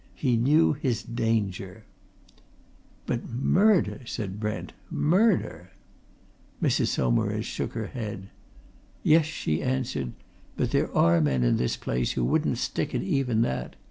He knew his danger." "But murder?" said Brent. "Murder!" Mrs. Saumarez shook her head. "Yes," she answered. "But there are men in this place who wouldn't stick at even that!